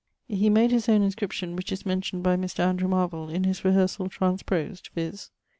He made his own inscription which is mentioned by Mr. Andrew Marvell in his Rehearsall Transpros'd, viz.